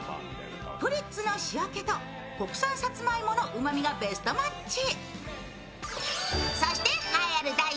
プリッツの塩気と国産さつまいものうまみがベストマッチ。